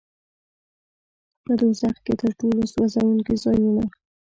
په دوزخ کې تر ټولو سوځوونکي ځایونه.